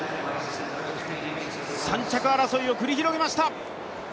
３着争いを繰り広げました。